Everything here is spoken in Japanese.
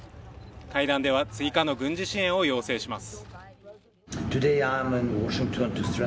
会談では追加の軍事支援を要求します。